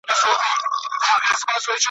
لکه د ښایستو رنګونو په ترکیب کي`